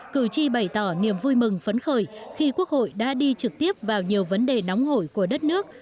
cử tri bày tỏ niềm vui mừng phấn khởi khi quốc hội đã đi trực tiếp vào nhiều vấn đề nóng hổi của đất nước